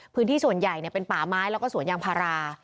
พื้นที่ส่วนใหญ่เป็นป่าไม้แล้วก็สวนยางพารา